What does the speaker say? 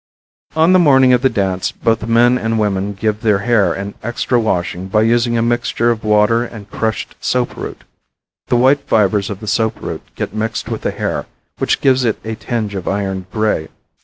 On the morning of the dance both the men and women give their hair an extra washing by using a mixture of water and crushed soap root. The white fibers of the soap root get mixed with the hair, which gives it a tinge of iron gray.